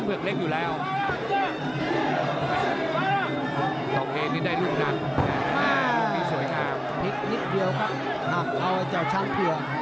เอาไว้เจ้าชั้นเพื่อ